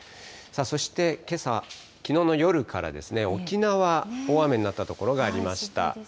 そしてけさ、きのうの夜から沖縄、大雨になった所がありました。